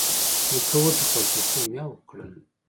نيکه وټوخل، پيشو ميو کړل.